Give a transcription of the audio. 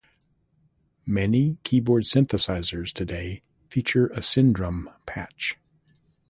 Many keyboard synthesizers today feature a Syndrum patch.